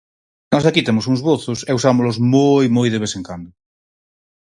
Nós aquí temos uns bozos e usámolos moi, moi de vez en cando.